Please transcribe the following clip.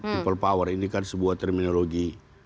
people power ini kan sebuah terminologi